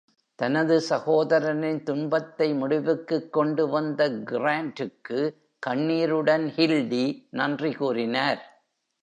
தனது சகோதரனின் துன்பத்தை முடிவுக்கு கொண்டுவந்த Grant-க்கு கண்ணீருடன் Hilde நன்றி கூறினார்.